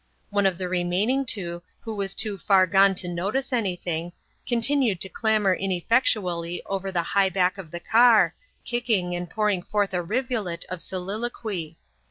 One of the remaining two, who was too far gone to notice anything, continued to clamber ineffectually over the high back of the car, kicking and pouring forth a rivulet of soliloquy.